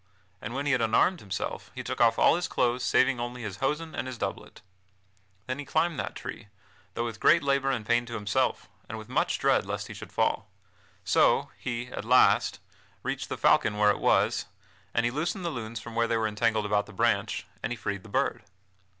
And when he had unarmed himself he took off all his clothes saving only his hosen and his doublet. Then he climbed that tree, though with great labor and pain to himself, and with much dread lest he should fall. So he, at last, reached the falcon where it was, and he loosened the lunes from where they were entangled about the branch, and he freed the bird.